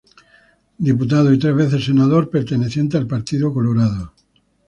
Diputado y tres veces Senador, perteneciente al Partido Colorado.